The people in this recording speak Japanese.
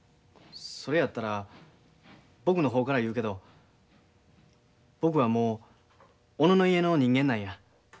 それやったら僕の方から言うけど僕はもう小野の家の人間なんや。